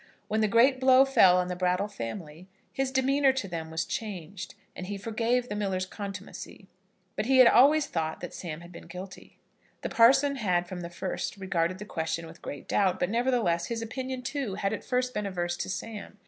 When the great blow fell on the Brattle family, his demeanour to them was changed, and he forgave the miller's contumacy; but he had always thought that Sam had been guilty. The parson had from the first regarded the question with great doubt, but, nevertheless, his opinion too had at first been averse to Sam.